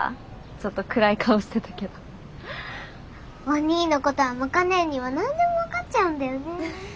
おにぃのことはもか姉には何でも分かっちゃうんだよね。